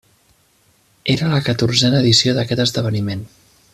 Era la catorzena edició d'aquest esdeveniment.